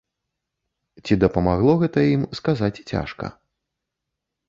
Ці дапамагло гэта ім, сказаць цяжка.